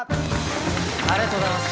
ありがとうございます